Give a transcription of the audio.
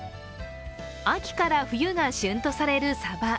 秋から冬が旬とされるさば。